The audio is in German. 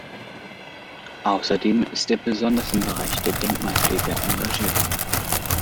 Außerdem ist er besonders im Bereich der Denkmalpflege engagiert.